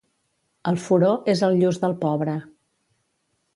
El furó és el lluç del pobre.